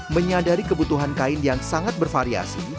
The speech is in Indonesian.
menyadari kebutuhan kain yang sangat bervariasi